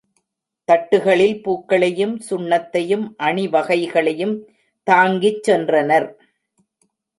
தட்டுகளில் பூக்களையும், சுண்ணத்தையும், அணி வகைகளையும் தாங்கிச் சென்றனர்.